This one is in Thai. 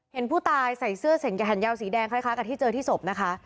เห็นผู้ตายใส่เสื้อแขนยาวสีแดงคล้ายกับที่เจอที่ศพนะคะ